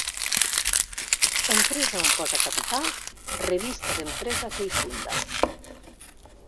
Empresa on posa capital, revista d'empresa que hi funda.